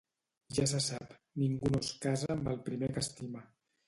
Ja se sap: ningú no es casa amb el primer que estima.